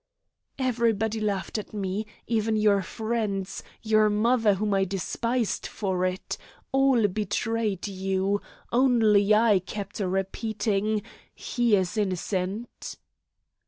"Everybody laughed at me even your friends, your mother whom I despised for it all betrayed you. Only I kept repeating: 'He is innocent!